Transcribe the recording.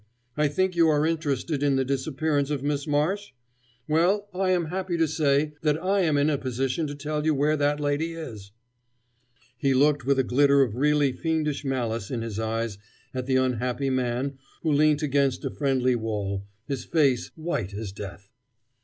I think you are interested in the disappearance of Miss Marsh? Well, I am happy to say that I am in a position to tell you where that lady is." He looked with a glitter of really fiendish malice in his eyes at the unhappy man who leant against a friendly wall, his face white as death.